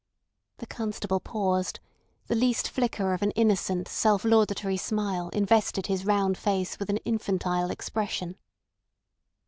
The constable paused; the least flicker of an innocent self laudatory smile invested his round face with an infantile expression.